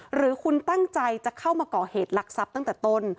หรือคุณตั้งใจจะเข้ามาก่อเหตุลักษัพตั้งแต่ต้น